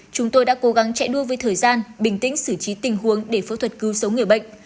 chúng tôi đã cố gắng chạy đua với thời gian bình tĩnh xử trí tình huống để phẫu thuật cứu sống người bệnh